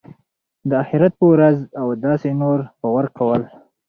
د آخرت په ورځ او داسي نورو باور کول .